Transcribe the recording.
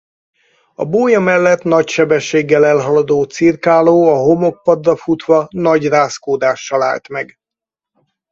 A bója mellett nagy sebességgel elhaladó cirkáló a homokpadra futva nagy rázkódással állt meg.